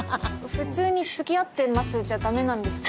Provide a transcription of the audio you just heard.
普通につきあってますじゃダメなんですか？